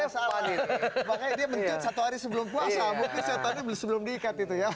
makanya dia mencuit satu hari sebelum puasa mungkin setannya sebelum diikat itu ya